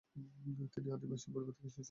তিনি আদিবাসী পরিবার থেকে এসেছেন।